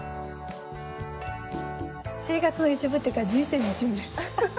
生活の一部というか人生の一部ですね。